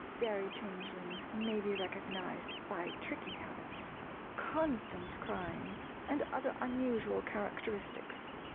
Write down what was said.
Fairy changelings may be recognized by tricky habits, constant crying, and other unusual characteristics.